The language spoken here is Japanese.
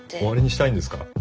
終わりにしたいんですか？